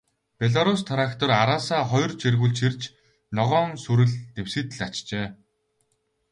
Белорусс трактор араасаа хоёр чиргүүл чирч, ногоон сүрэл нэвсийтэл ачжээ.